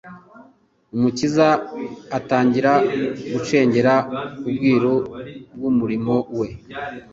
Umukiza atangira gucengera ubwiru bw'umurimo we.